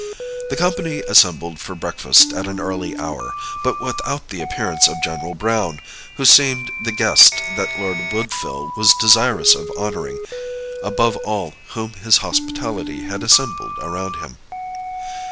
The company assembled for breakfast at an early hour, but without the appearance of General Browne, who seemed the guest that Lord Woodville was desirous of honoring above all whom his hospitality had assembled around him.